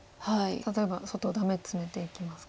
例えば外ダメツメていきますか？